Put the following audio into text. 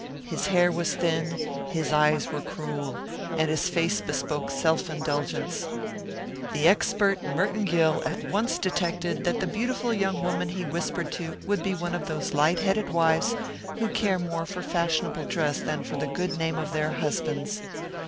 His hair was thin, his eyes were cruel, and his face bespoke self indulgence. The expert Merton Gill at once detected that the beautiful young woman he whispered to would be one of those light headed wives who care more for fashionable dress than for the good name of their husbands.